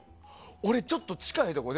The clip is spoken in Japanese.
俺ちょっと近いところ。